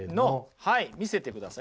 はい見せてください。